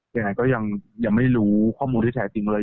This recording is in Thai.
แต่อย่างนั้นรู้ข้อมูลที่แท้จริงเลย